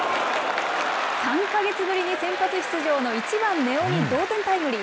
３か月ぶりに先発出場の１番根尾に同点タイムリー。